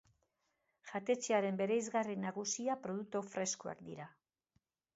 Jatetxearen bereizgarri nagusia produktu freskoak dira.